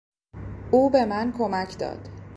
او به من کمک داد.